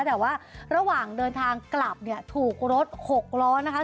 แต่ว่าระหว่างเดินทางกลับเนี่ยถูกรถหกล้อนะคะ